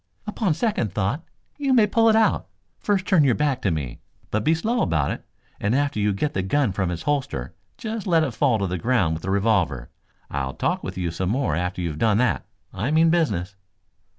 "Upon second thought you may pull it out. First turn your back to me, but be slow about it, and after you get the gun from its holster, just let it fall to the ground with the revolver. I'll talk with you some more after you have done that. I mean business!"